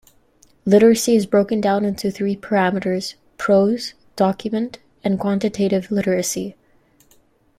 Literacy is broken down into three parameters: prose, document, and quantitative literacy.